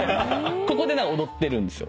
ここで踊ってるんですよ。